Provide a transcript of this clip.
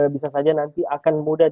bisa saja nanti akan mudah